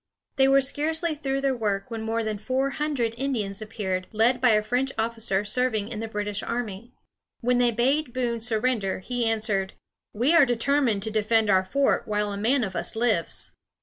They were scarcely through their work when more than four hundred Indians appeared, led by a French officer serving in the British army. When they bade Boone surrender, he answered: "We are determined to defend our fort while a man of us lives."